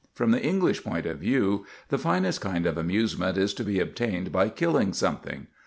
From the English point of view, the finest kind of amusement is to be obtained by killing something.